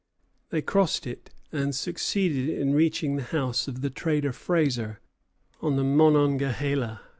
They crossed it, and succeeded in reaching the house of the trader Fraser, on the Monongahela.